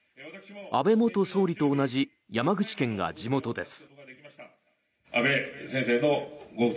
安倍元総理と同じ山口県が地元です。